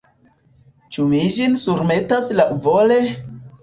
Ĉu mi ĝin surmetas laŭvole?